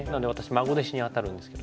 孫弟子にあたるんですけどね。